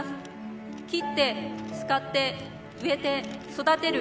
「切って使って植えて育てる」。